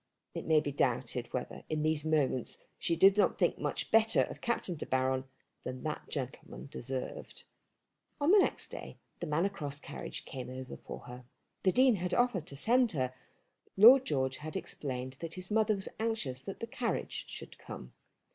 It may be doubted whether in these moments she did not think much better of Captain De Baron than that gentleman deserved. On the next day the Manor Cross carriage came over for her. The Dean had offered to send her, but Lord George had explained that his mother was anxious that the carriage should come.